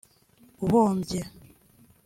uhombye